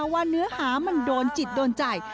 เนื้อหามันโดนจิตโดนใจ